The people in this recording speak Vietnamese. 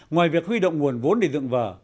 ngoài việc huy động nguồn vốn để dựng vở